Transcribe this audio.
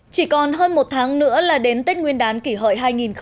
chỉ còn hơn một tháng nữa là đến tết nguyên đán kỷ hợi hai nghìn một mươi chín